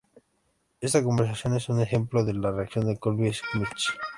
Esta conversión es un ejemplo de una reacción de Kolbe-Schmitt.